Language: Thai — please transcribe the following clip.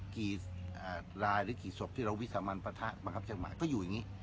กี่ลายหรือกี่ศพที่เราวิสามันปะทะบังคับเชียงใหม่ก็อยู่อย่างนี้